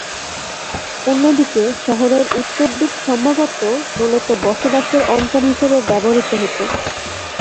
অন্যদিকে শহরের উত্তর দিক সম্ভবত মূলত বসবাসের অঞ্চল হিসেবে ব্যবহৃত হত।